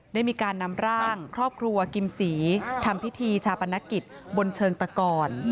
ได้มีการนำร่างครอบครัวกิมศรีทำพิธีชาปนกิจบนเชิงตะกร